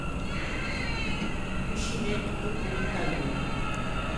Cuscinetto do pontaieu.